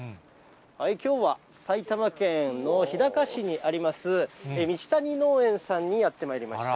きょうは埼玉県の日高市にあります、道谷農園さんにやってまいりました。